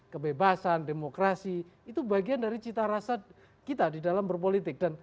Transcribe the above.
kebebasan demokrasi itu bagian dari cita rasa kita di dalam berpolitik